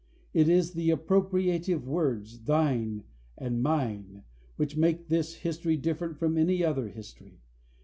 It is the appropriative words, thine and mine, which make this history different from any other history.